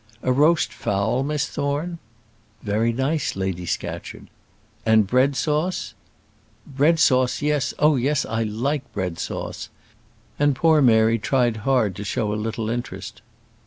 "A roast fowl, Miss Thorne?" "Very nice, Lady Scatcherd." "And bread sauce?" "Bread sauce yes; oh, yes I like bread sauce," and poor Mary tried hard to show a little interest.